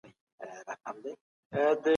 په اسلام کي هيڅوک تر بل لوړ نه دی.